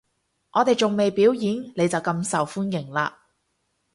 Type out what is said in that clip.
我哋都仲未表演，你就咁受歡迎喇